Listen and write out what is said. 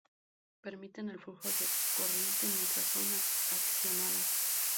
Permiten el flujo de corriente mientras son accionados.